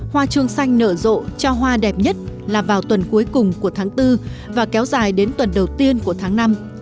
hoa chuông xanh nở rộ cho hoa đẹp nhất là vào tuần cuối cùng của tháng bốn và kéo dài đến tuần đầu tiên của tháng năm